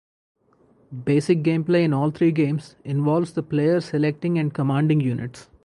Basic gameplay in all three games involves the player selecting and commanding units.